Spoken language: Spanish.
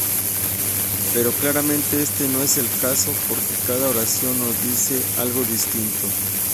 Pero claramente este no es el caso, porque cada oración nos dice algo "distinto".